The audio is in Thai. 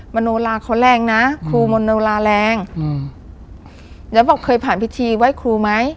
มโนลาเขาแรงนะครูมนโนลาแรงอืมแล้วบอกเคยผ่านพิธีไหว้ครูไหม